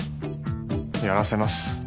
やらせます。